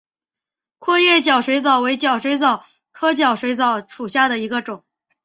阔节角水蚤为角水蚤科角水蚤属下的一个种。